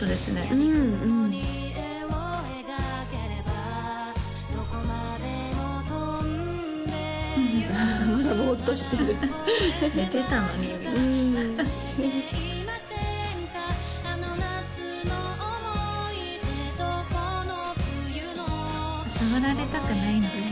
うんうんまだぼっとしてる「寝てたのに」みたいな触られたくないのかな？